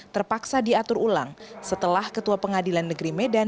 terpaksa diatur ulang setelah ketua pengadilan negeri medan